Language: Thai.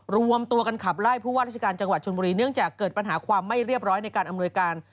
รวมตัวกันขับไล่ผู้ว่าราชการจังหวัดชนบุรีเนื่องจากเกิดปัญหาความไม่เรียบร้อยในการอำนวยการ